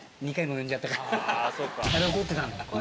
あれ怒ってたんだ。